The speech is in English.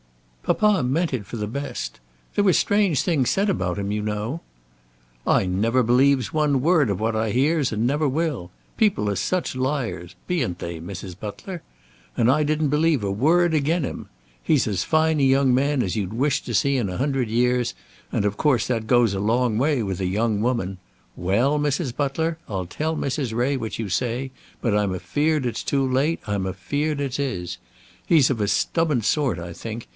"Papa meant it for the best. There were strange things said about him, you know." "I never believes one word of what I hears, and never will. People are such liars; bean't they, Mrs. Butler? And I didn't believe a word again him. He's as fine a young man as you'd wish to see in a hundred years, and of course that goes a long way with a young woman. Well, Mrs. Butler, I'll tell Mrs. Ray what you say, but I'm afeard it's too late; I'm afeard it is. He's of a stubborn sort, I think.